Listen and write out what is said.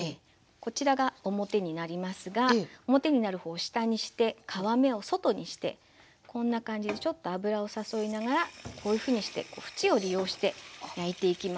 こちらが表になりますが表になる方を下にして皮目を外にしてこんな感じでちょっと油を誘いながらこういうふうにして縁を利用して焼いていきます。